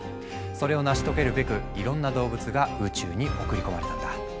それを成し遂げるべくいろんな動物が宇宙に送り込まれたんだ。